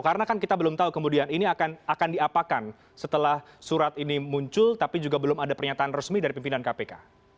karena kan kita belum tahu kemudian ini akan diapakan setelah surat ini muncul tapi juga belum ada pernyataan resmi dari pimpinan kpk